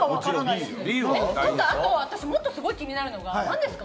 あと私、もっと気になるのは何ですか？